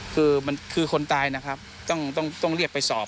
คือคนตายนะครับต้องเรียกไปสอบ